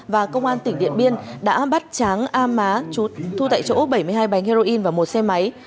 và công an tỉnh điện biên đã bắt tráng a má thu tại chỗ bảy mươi hai bánh heroin và một xe máy